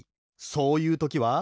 そういうときは。